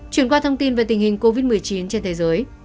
chuyển qua thông tin về tình hình covid một mươi chín trên thế giới